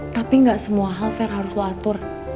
tapi gak semua hal harus lo atur